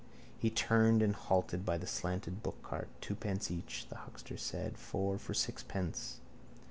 He turned and halted by the slanted bookcart. —Twopence each, the huckster said. Four for sixpence.